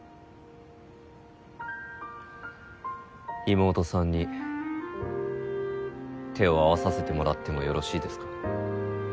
妹さんに手を合わさせてもらってもよろしいですか？